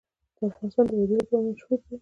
افغانستان د وادي لپاره مشهور دی.